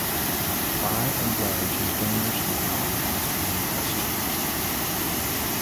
By and large his donors did not ask many questions.